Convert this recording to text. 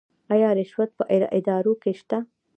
آیا رشوت په ادارو کې شته؟